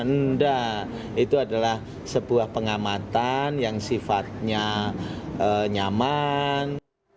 enggak itu adalah sebuah pengamatan yang sifatnya nyaman